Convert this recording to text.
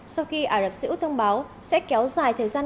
sau khi ả rập xê út thông báo sẽ kéo dài thời gian